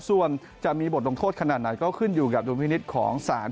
ส่วนจะมีบทลงโทษขนาดไหนก็ขึ้นอยู่กับดุลพินิษฐ์ของศาล